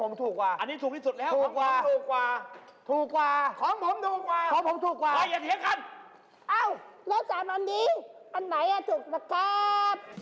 เจ้าผมถูกกว่าอย่าเถี๋ยงกันเอ้าแล้วสามอันนี้อันไหนอ่ะถูกนะครับ